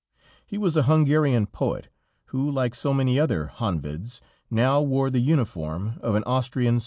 He was a Hungarian poet, who, like so many other Honveds, now wore the uniform of an Austrian soldier.